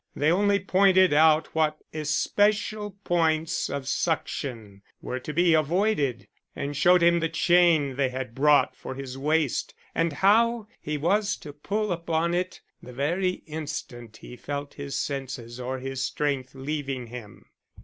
They only pointed out what especial points of suction were to be avoided, and showed him the chain they had brought for his waist and how he was to pull upon it the very instant he felt his senses or his strength leaving him.